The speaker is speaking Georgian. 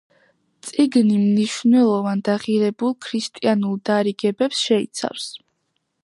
წიგნი მნიშვნელოვან და ღირებულ ქრისტიანულ დარიგებებს შეიცავს.